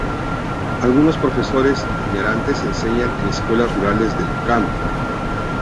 Algunos profesores itinerantes enseñan en escuelas rurales del Camp.